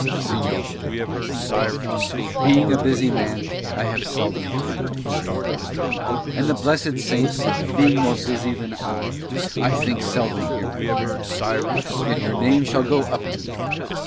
"Señor," he said, "being a busy man, I have seldom time to pray. And the blessed Saints, being more busy than I, I think seldom hear my prayers: yet your name shall go up to them.